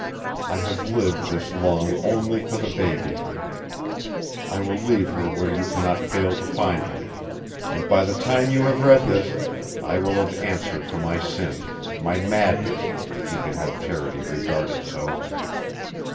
I have lived this long only for the baby. I will leave her where you cannot fail to find her, and by the time you have read this I will have answered for my sin my madness, if you can have charity regard it so.